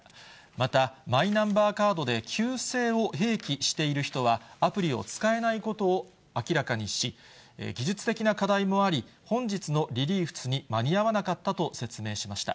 また、マイナンバーカードで旧姓を併記している人は、アプリを使えないことを明らかにし、技術的な課題もあり、本日のリリースに間に合わなかったと説明しました。